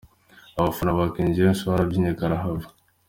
Abafana ba King James barabyinnye karahava.